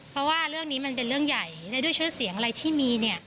เพราะว่าเรื่องนี้มันเป็นเรื่องใหญ่และด้วยชื่อเสียงอะไรที่มีเนี่ย